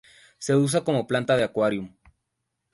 Se usa como planta de aquarium.